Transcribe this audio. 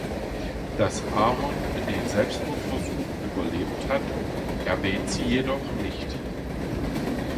Dass Aaron den Selbstmordversuch überlebt hat, erwähnt sie jedoch nicht.